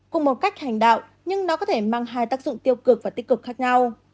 cùng một cách hành đạo nhưng nó có thể mang hai tác dụng tiêu cực và tích cực khác nhau